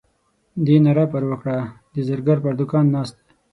دې ناره پر وکړه د زرګر پر دوکان ناست دی.